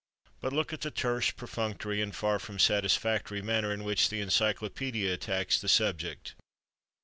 But look at the terse, perfunctory, and far from satisfactory manner in which the Encyclopædia attacks the subject.